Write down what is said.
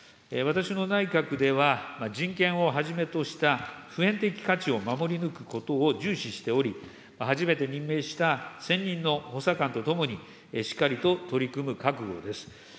私の内閣では人権をはじめとした普遍的価値を守り抜くことを重視しており、初めて任命した専任の補佐官と共に、しっかりと取り組む覚悟です。